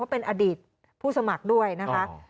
เป็นอดีตผู้สมัครด้วยนะคะ